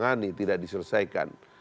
karena masalah buruh ini berulang ulang